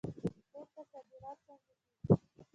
هند ته صادرات څنګه کیږي؟